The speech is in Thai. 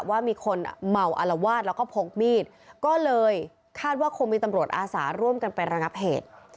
ว่ามีคนเมาอารวาสแล้วก็พกมีดก็เลยคาดว่าคงมีตำรวจอาสาร่วมกันไประงับเหตุ